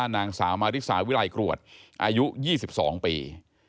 นางสาวมาริสาวิลัยกรวดอายุ๒๒ปี